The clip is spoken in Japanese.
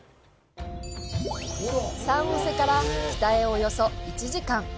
サンホセから北へおよそ１時間。